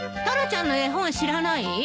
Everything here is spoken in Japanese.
タラちゃんの絵本知らない？